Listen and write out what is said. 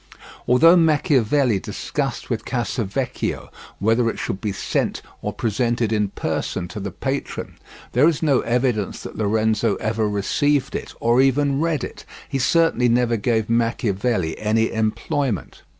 Although Machiavelli discussed with Casavecchio whether it should be sent or presented in person to the patron, there is no evidence that Lorenzo ever received or even read it: he certainly never gave Machiavelli any employment.